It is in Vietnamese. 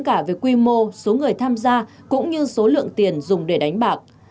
cả về quy mô số người tham gia cũng như số lượng tiền dùng để đánh bạc